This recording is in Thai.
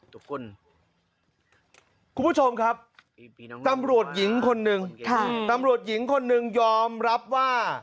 ทุกคนคุณผู้ชมครับตำรวจหญิงคนนึงตำรวจหญิงคนหนึ่งยอมรับว่า